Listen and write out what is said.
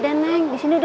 neng nanti aku nunggu